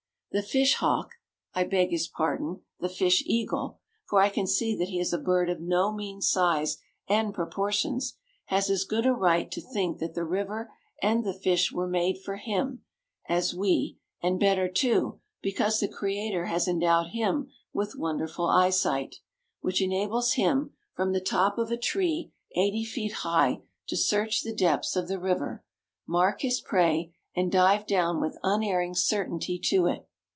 The fish hawk I beg his pardon, the fish eagle; for I can see that he is a bird of no mean size and proportions has as good a right to think that the river and the fish were made for him as we; and better too, because the Creator has endowed him with wonderful eyesight, which enables him, from the top of a tree eighty feet high, to search the depths of the river, mark his prey, and dive down with unerring certainty to it.